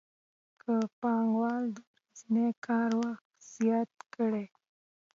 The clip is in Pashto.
که پانګوال د ورځني کار وخت زیات کړي